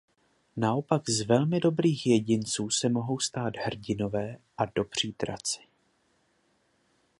Naopak z velmi dobrých jedinců se mohou stát hrdinové a dobří draci.